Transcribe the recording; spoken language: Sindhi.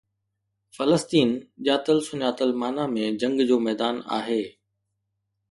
فلسطين ڄاتل سڃاتل معنى ۾ جنگ جو ميدان آهي.